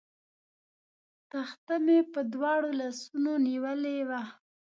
تخته مې په دواړو لاسونو نیولې وه.